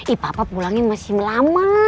eh papa pulangnya masih lama